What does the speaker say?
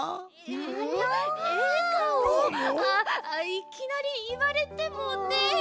いきなりいわれてもねえ。